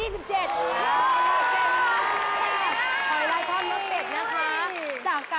แพงกว่า